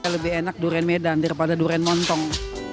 lebih enak durian medan daripada durian montong